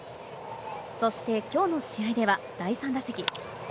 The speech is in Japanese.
そしてきょうの試合では第３打席。